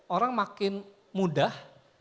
orang makin mudah